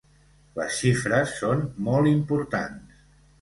Les xifres són molt importants.